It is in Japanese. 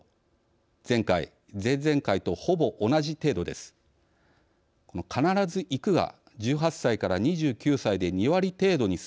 前回、前々回とほぼ同じ程度です。